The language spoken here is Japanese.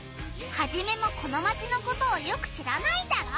ハジメもこのマチのことをよく知らないんだろ？